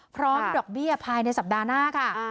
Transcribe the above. พร้อมดอกเบี้ยภายในสัปดาห์หน้าค่ะ